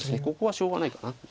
ここはしょうがないかな。